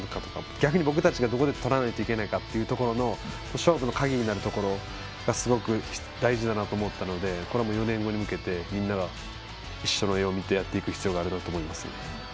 逆に僕たちがどこで取らなくちゃいけないかとか勝負の鍵になるところがすごく大事だなと思ったのでこれも４年後に向けてみんなが一緒の夢を見てやっていく必要があるなと思います。